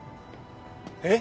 えっ！？